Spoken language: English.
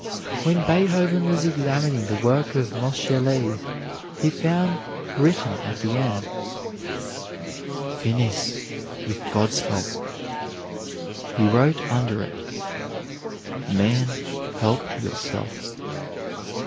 When Beethoven was examining the work of Moscheles, he found written at the end, "Finis, with God's help." He wrote under it, "Man, help yourself."